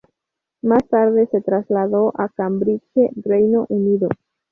Más tarde se trasladó a Cambridge, Reino Unido.